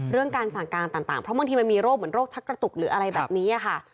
เรื่องการสั่งการต่างเพราะบางทีมันมีโรคเหมือนโรคชักกระตุกหรืออะไรแบบนี้ค่ะ